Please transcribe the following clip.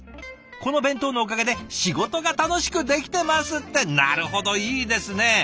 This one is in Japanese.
この弁当のおかげで仕事が楽しくできてます」ってなるほどいいですね。